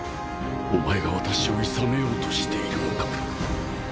お前が私をいさめようとしているのか？